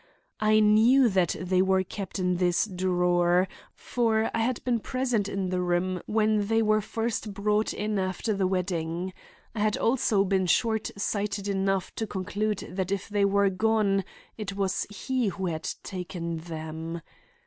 I knew that they were kept in this drawer, for I had been present in the room when they were brought in after the wedding. I had also been short sighted enough to conclude that if they were gone it was he who had taken them.